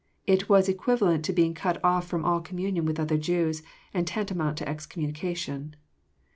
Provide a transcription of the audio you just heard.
It was equivalent to being cut off from all communion with other Jews, and tantamount to excommu nication.